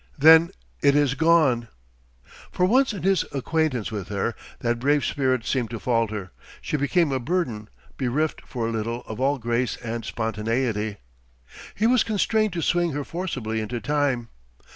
"Then it is gone!" For once in his acquaintance with her, that brave spirit seemed to falter: she became a burden, bereft for a little of all grace and spontaneity. He was constrained to swing her forcibly into time.